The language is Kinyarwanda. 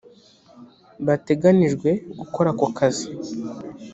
bateganijwe gukora ako kazi